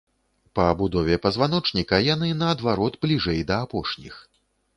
Па будове пазваночніка яны, наадварот, бліжэй да апошніх.